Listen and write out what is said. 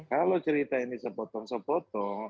kalau cerita ini sepotong sepotong